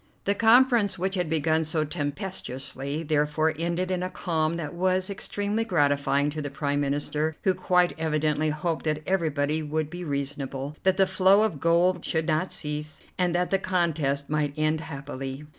The conference which had begun so tempestuously therefore ended in a calm that was extremely gratifying to the Prime Minister, who quite evidently hoped that everybody would be reasonable, that the flow of gold should not cease, and that the contest might end happily.